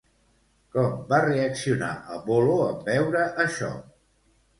Com va reaccionar Apol·lo en veure això?